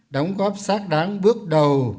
đóng góp sát đáng bước đầu